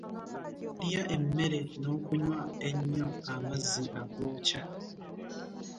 Lya emmere n'okunywa ennyo amazzi agookya.